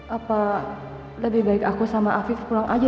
apa lebih baik aku sama afif pulang aja